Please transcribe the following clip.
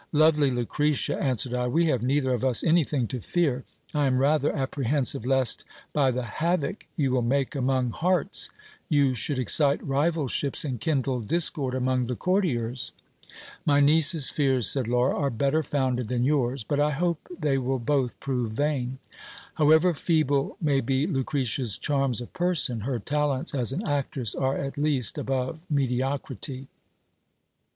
Lovely Lucretia, answered I, we have neither of us anything to fear ; I am rather apprehensive lest, by the havoc you will make among hearts, you should excite rivalships and kindle discord among the courtiers. My niece's fears, said Laura, are better founded than yours ; but I hope they will both prove vain : however feeble may be Lucretia's charms of person, her ta lents as an actress are at least above mediocrity.